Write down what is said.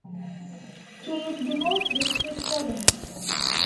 She is divorced with two children.